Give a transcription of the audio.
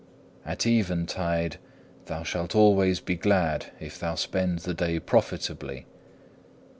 At eventide thou shalt always be glad if thou spend the day profitably.